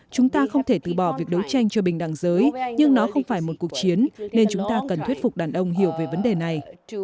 chúng ta không thể từ bỏ việc đấu tranh cho bình đẳng giới nhưng nó không phải một cuộc chiến nên chúng ta cần thuyết phục đàn ông hiểu về vấn đề này